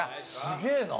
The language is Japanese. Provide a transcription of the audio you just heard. すげえな。